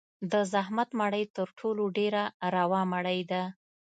د زحمت مړۍ تر ټولو ډېره روا مړۍ ده.